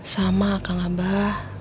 sama kang abah